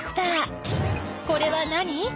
これは何？